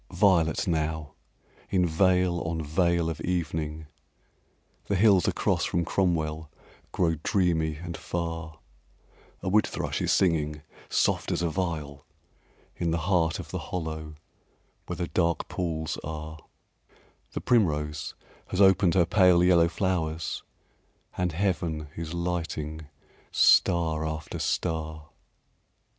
Violet now, in veil on veil of evening The hills across from Cromwell grow dreamy and far; A wood thrush is singing soft as a viol In the heart of the hollow where the dark pools are; The primrose has opened her pale yellow flowers And heaven is lighting star after star.